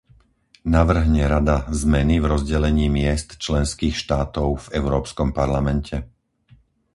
Navrhne Rada zmeny v rozdelení miest členských štátov v Európskom parlamente?